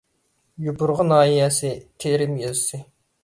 يوپۇرغا ناھىيەسى تېرىم يېزىسى